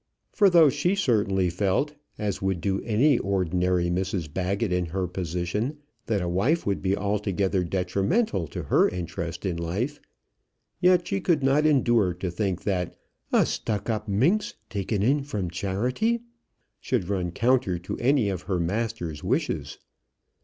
For though she certainly felt, as would do any ordinary Mrs Baggett in her position, that a wife would be altogether detrimental to her interest in life, yet she could not endure to think that "a little stuck up minx, taken in from charity," should run counter to any of her master's wishes.